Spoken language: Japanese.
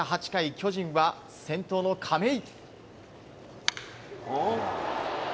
巨人は先頭の亀井。